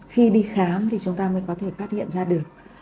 khi đi khám thì chúng ta mới có thể phát hiện ra được